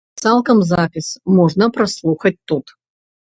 Цалкам запіс можна праслухаць тут.